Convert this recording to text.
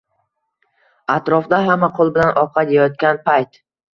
Atrofda hamma qo‘l bilan ovqat yeyayotgan payt.